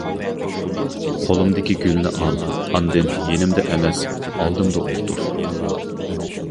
قولۇمدىكى گۈلنى ئال، ئاندىن، يېنىمدا ئەمەس ئالدىمدا ئولتۇر!